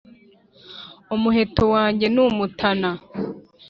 Umuheto wanjye n’umutana